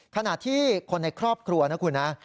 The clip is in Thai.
ขณะที่คนในครอบครัวนะคุณนะ